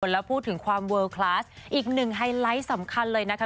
แล้วพูดถึงความเวิร์ลคลาสอีกหนึ่งไฮไลท์สำคัญเลยนะคะ